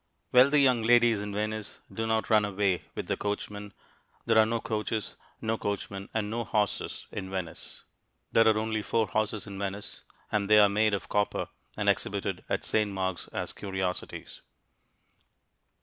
Wealthy young ladies in Venice do not run away with the coachman. There are no coaches, no coachmen and no horses in Venice. There are only four horses in Venice and they are made of copper and exhibited at St Mark's as curiosities.